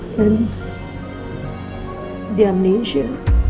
dan di amnesia